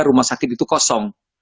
rumah sakit itu kosong